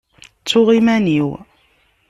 Ttuɣ iman-iw.